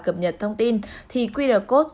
cập nhật thông tin thì qr code